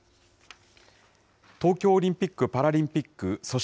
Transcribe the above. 東京オリンピック・パラリンピック組織